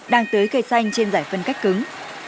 đang tưới cây xanh trên giải phân cách cứng